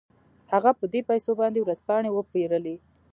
هغه په دې پيسو باندې ورځپاڼې وپېرلې.